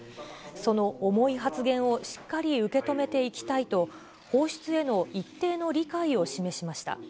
その重い発言をしっかり受け止めていきたいと、放出への一定の理解を示しました。